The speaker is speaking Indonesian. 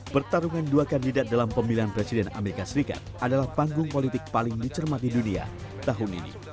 pertarungan dua kandidat dalam pemilihan presiden amerika serikat adalah panggung politik paling dicermati dunia tahun ini